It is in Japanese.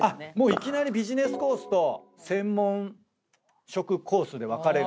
いきなりビジネスコースと専門職コースで分かれるんだね。